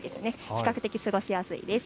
比較的、過ごしやすいです。